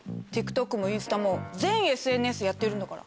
ＴｉｋＴｏｋもインスタも全ＳＮＳやってるんだから。